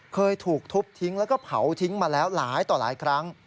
เคยถูกทุบทิ้งแล้วก็เผาทิ้งมาแล้วหลายต่อหลายครั้ง